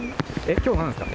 きょう、なんですか？